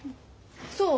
そう？